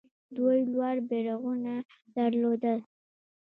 دوی لوړ بیرغونه درلودل